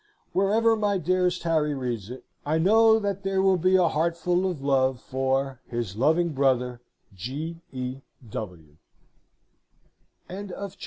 Wherever my dearest Harry reads it, I know that there will be a heart full of love for His loving brother, G. E.